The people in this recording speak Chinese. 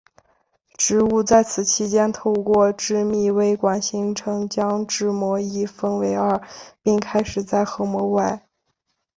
植物在此期间透过致密微管形成将质膜一分为二并开始在核膜外。